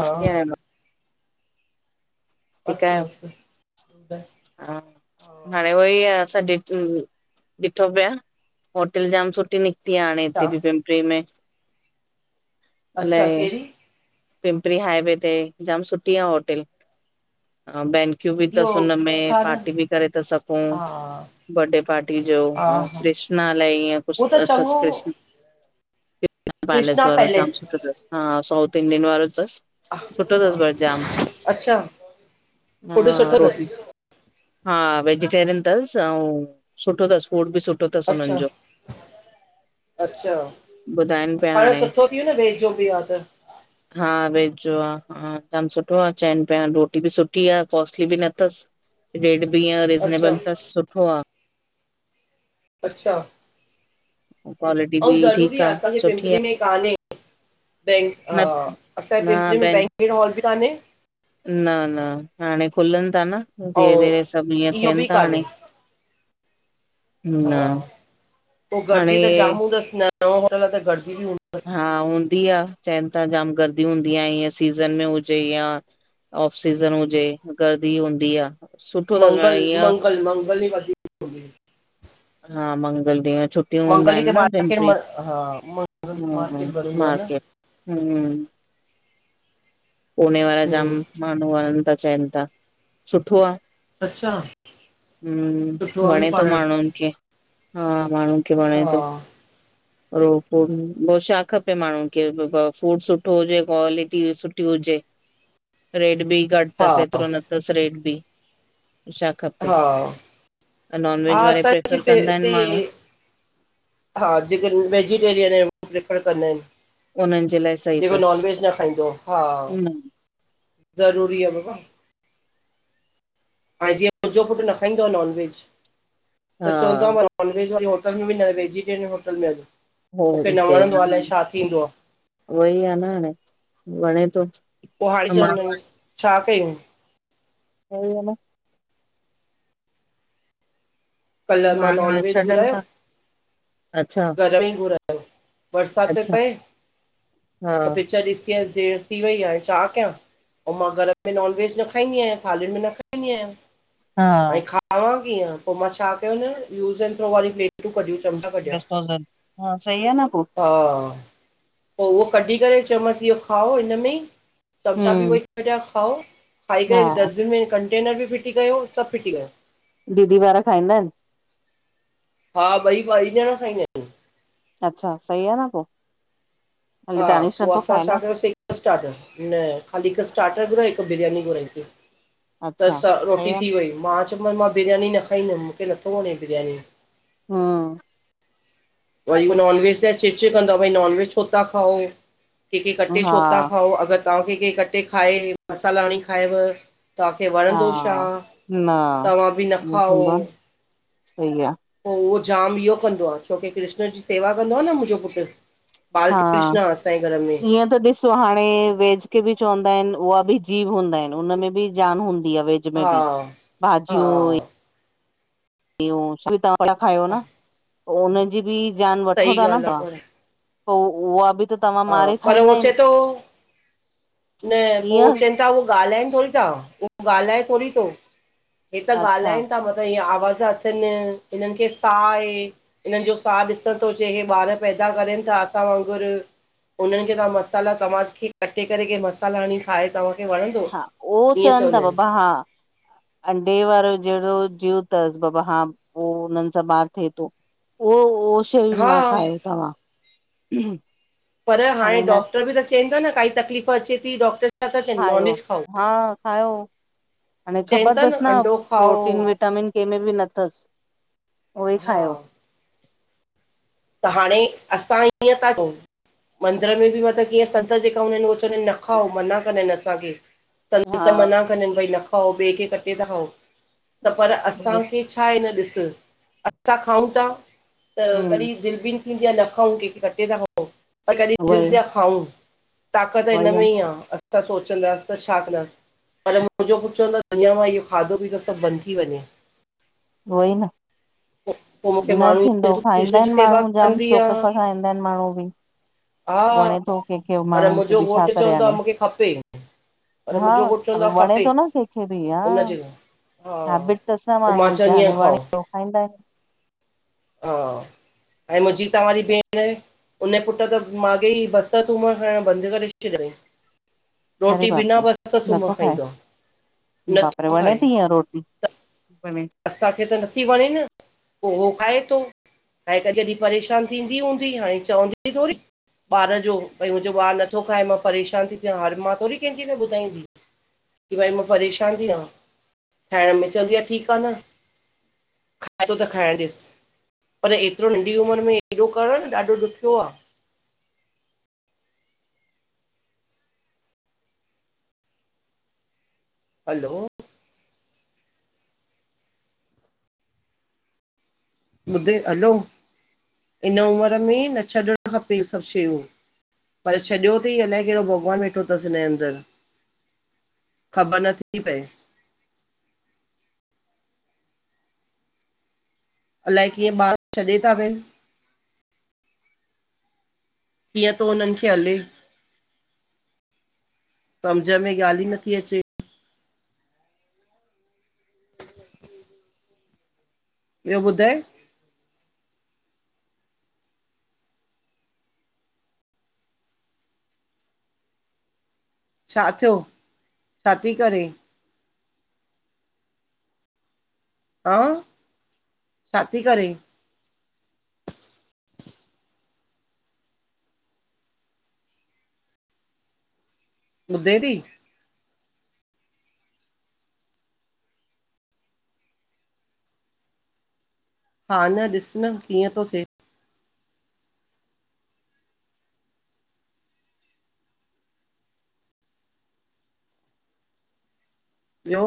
हा ठीकु [unintelligible] तु आहियो? ॿुधाय। हा हाणे उहो ई असां ॾि ॾिठो पिया होटल जाम सुठी निक कती हाणे अच्छा हिते बि पिंपरी में। अच्छा, अलाए कहिॾी? पिंपरी हाईवे ते, ॼाम सुठी आ होटल। बैंक्यू बि इहो थसि हुनमें छा न पार्टी बि करे था सघूं। हा बर्थडे पार्टी जो हा ऐं हा कृष्णा लाए ईअं कुझु उहो त अ थसि चङो कृष्ण पैलस कृष्णा वारो जाम पैलेस सुठो अथसि। हा, साउथ इंडियन वारो थसि। सुठो थसि बट जाम। अच्छा हा, फूड सुठो रोटी। अथसि हा, वेजिटेरियन थसि, अऊं सुठो अथसि, फूड बि सुठो अथसि, हुननि अच्छा जो। अच्छा, ॿुधाइनि पिया पाण हाणे सुठो थी वियो न, वेज जो बि आ त। हा, वेज जो आ। हा, कम सुठो आ, चवनि पिया रोटी बि सुठी आ। कॉस्टली बि न अथसि। रेट बि ईंअं अच्छा रिज़नेबल तस्, सुठो आ। अच्छा। [unintelligible] ऐं, ज़रूरी ठीकु आ असांजे सुठी आ पिंपरी में कान्हे, बैंक, न असांजे पिंपरी न में भेण बैंकट हॉल बि कान्हे। न- न, हाणे खुलनि था न, ऐं धीरे- धीरे सभु हीअ इहो थियनि बि था कान्हे हाणे। न हा, पोइ हाणे गर्दी त जाम हूंदसि, नओं- नओ होटल आ त गर्दी बि हूंदी। हा, हूंदी आ, चवनि था जाम गर्दी हूंदी आ ईअ सीज़न में हुजे यां ऑफ सीज़न हुजे, गर्दी हूंदी आ, सुठो अथसि मतलब ईअं कल मंगल [unintelligible] [inaudible] हा, मंगल ॾींह छुट् हूंदा मंगल ई त आहिनि न मार्केट पंजे, म हा मंगल हुं, मार्केट बंद हूंदो आ न मार्केट हुं, [unintelligible] पूने वारा जाम हम्म माण्हूं वञनि था, चवनि था सुठो आ। हुं, अच्छा सुठो आ न वणे थो पाण हा माण्हुनि खे। हा माण्हू खे वणे थो। [inaudible] ॿियो छा खपे माण्हू खे, फूड सुठो हुजे क्वालिटी सुठ ठी हुजे, रेट बि घटि हा अथसि हेतिरो न अथसि, रेट बि। छा खपे? हा नॉनवेज हा वारे असांजे प्रिफर पे कंदा आहिनि हिते माण्हू हा, जेके रु वेजिटेरियन आहिनि, उहे प्रिफर कंदा आहिनि। उन्हनि जे लाइ सही जेको नॉन अथसि वेज न खाईंदो। हा, न ज़रूरी आहे बाबा हा, जीअं मुंहिंजो पुटु न खाईंदो आहे नॉन वेज, हा त चवंदो आहे मा नॉन वेज वारी होटल में बि न, वेजटेरियन होटल में हल। हो मूंखे न वणंदो आहे अलाए छा थींदो आहे। वई आहे न हाणे, वणे थो, पो हाणे त चवंदा माण्हू आहियूं आहिनि छा कयूं? वई आ न? कल्ह मां हान हाणे नॉनवेज छॾनि था, अच्छा रईं घुरायो, बरसाति पी अच्छा, पए, त हा, पिक्चर ॾिस् चईं, देरि थी वई आहे, छा कियां? पोइ मां घर में नॉन-वेज न खाईंदी आहियां, थालियुनि में बि न खाईंदी आहियां। पोइ हा। खावां कीअं, पोइ मां छा कयमि, यूज़ ऐं थ्रो वारी प्लेटूं कढियूं थमि। डिस्पोजल, हा सही आहे न पो। हा पो उहो कढी करे चयो मांसि, इहो खाओ हिन में ई। चमिचा बि हम्म, वही कढिया खाओ, खाई करे हा डस्टबिन में कंटेनर बि फिटी कयो, सभु फिटी कयो। दीदी वारा खाईंदा आहिनि? हा ॿई, ॿई ॼणा खाईंदा आहिनि। अच्छा, सही आहे न पो। हाली हा, दानिश पो नथो असां खाए छा न? कयोसीं स्टार्टर न, हाली हिक स्टार्टर घुराई, हिक बिरयानी घुराईसीं। त् अच्छा छा सही रोटी आ न, थी वई! मां चओ मान मां बिरयानी न खाईं दम मूखे नथो वणे बिरयानी। हम्म वरी हूअ नॉन वेज लाये चिक-चिक कंदव भई, वरी नॉन वेज छो छो तां खाओ, के खे कटे छो तां हा, खाओ। काॅ केखे कटे खाएं, मसाला हणी खाएं व। तहांखे वणंदो छा! हा न त्वां बि न ईअं खाओ। थींदो आ न, सही आ। पो उहो जाम इहो कंदो आह, छोकी कृष्ण जी सेवा कंदो आ न मुहिंजो पुट्र। बाल कृष्ण आ असां ऐ घर में। सो हाणे वेज खे बि चवंदा आएं उहा बि जीव हूंदा आयेन, उनमें बि जान हूंदी आ वेज ज में हा भी हा भाजीयूं अउ इओ सिता फ़ला खायो ना, ओ हुनजी बि ज़ान वठो सही था न ॻाल्हि आहे ता। पर पो उआ बि त तव्हां मारे पर खाईंदा हो आहिन चए तो, न पो ईअं चेन् त हुअ ॻालाएन थोड़ी ता, उह ॻालाए थोड़ी तो हे त अच्छा ॻालाइन था मत हिय आवाज़ अचन, हिनन खे साह आहे। हिनन जो साह ॾिसण तो अचे हे बार पैदा करन था असां वांगूर उन्हन खे तहां मसाला! तव्हांखे कटे करे, केर मसाला हणी खाऐ त् हा उओ चअ ता बाबा हा। अंडे वारो ज़हेड़ो ज़ीव तस! बाबा हां पो उन‌ं सां बार थे तो। उओ-उहो शयूं हा न खायो तव्हां! पर हाणे डॉक्टर बि त चेन ता न काई तकलीफ़ अचे थी डॉक्टर छा था चवनि खायो, नॉनवेज खाओ हा खायो। हाणे चवनि ख़बर था तस न अंडो खाओ प्रोटीन, विटामिन केमें बि न तस! उहो ई हा खायो। त हाणे, असां ईअं ता कयूं। मंदर में बि वन त कीअं संत जेका हूंदा आयेन, उअ चवंदा आयेन, न खाओ मना कंदा आयेन असांखे। हा संत मना कंदा आयेन भई! न खाओ ॿे खे कटे था खाओ, त पर हम उई असांखे छा! आहे न ॾिस, असां खाऊं था त दिल बि थींदी आह न खाऊं, कहिं खे कटे था खाऊं पर कॾहिं दिल उई थींदी आ खाऊं। ताक़त हिन में आहिनि ई आ, असां सोचंदास त छा कंदास। पर मुहिंजो पुट चवंदो आ अञां मां इहो खाधो-पीतो सभ बंद थी वञे। उहोई न्। हा न थींदो! खाईंदा इन माणू जाम कंदी शौक़ आहे सां खाईंदा इन माणूं बि। हा वणे थो, केख़े पर माणूंन खे मुंहिंजो बि छा घोटु करे चवंदो हाड़े। आहे मूंखे खपे पर हा मुंहिंजो घोटु चवंदो आहे वणे खपे थो न केख़े बि हा! उनजे हा हेबिट तस न पोइ मां माणूं खे, चवंदी आहियां हाणे खाओ वणे तो खाईंदायेन। हा! ऐं मुहिंजी त वरी भेण हुनये पुट त मागे ई बसर, थूम खायण बंद करे छॾयां तई। रोटी बिना बसर, थूम खाईंदो आ। बापरे वणे ती इय रोटी, वणे असांखे त नथी वणे न, पो हो खाए थो। हाणे त ज़ॾहि परेशान थींदी हूंदी हाणे चवंदी थोरी। ॿार जो भई मुहिंजो ॿार नथो खाए मां परेशान थी थ्यां, हर मां थोरी कहिंज़ी बि बुधाईंदी। की भई मां परेशान थीयां ठाहिण में चवंदी आह ठीक आहे न। खाइ थो त खाइण ॾिस। पर एतरो नंढी उमर में एॾो करण ॾाढो ॾुखियो आ। हलो। ॿुधे हलो इन उमर में न छॾणु खपे इ सभ शयूं। पर छॾियो थई अलाए केहड़ो भॻवान वेठो थस हिनजे अंदर। ख़बर नथी पए। अलाए कीअं ॿार छॾे था वेन। कीअं थो हुनन खे हले सम्झ में ॻाल्हि ई नथी अचे। ॿियो ॿुधाए। छा थ्यो छा तिं करे? ह छा ती करे? मुुधे ती। हा न ॾिस न कीअं तो थिए? ॿियो।